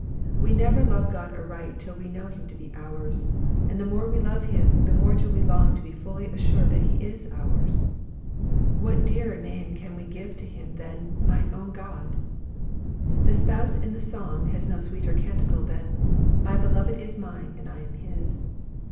We never love God aright till we know him to be ours, and the more we love him the more do we long to be fully assured that he is ours. What dearer name can we give to him than *' mine own God." The spouse in the song has no sweeter canticle than my beloved is mine and I am his."